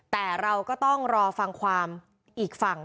แต่เราก็ต้องรอฟังความอีกฝั่ง